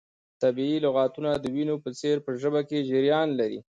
طبیعي لغتونه د وینو په څیر په ژبه کې جریان لري.